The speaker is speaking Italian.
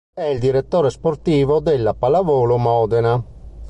È il direttore sportivo della Pallavolo Modena.